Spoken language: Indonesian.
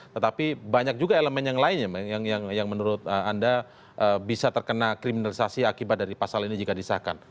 tetapi banyak juga elemen yang lainnya yang menurut anda bisa terkena kriminalisasi akibat dari pasal ini jika disahkan